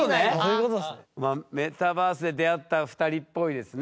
まあメタバースで出会った２人っぽいですね。